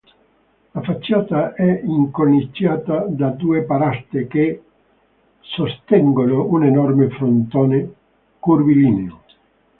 La facciata è incorniciata da due paraste che sostengono un enorme frontone curvilineo.